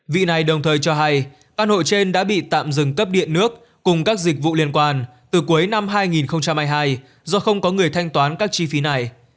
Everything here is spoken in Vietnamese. vị này đồng thời cho hay căn hộ trên đã bị tạm dừng cấp điện nước cùng các dịch vụ liên quan từ cuối năm hai nghìn hai mươi hai do không có người thanh toán các chi phí này